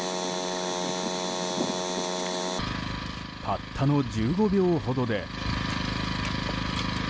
たったの１５秒ほどで。